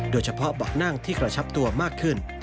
โดยเฉพาะเบาะนั่งที่กระชับตัวมากขึ้น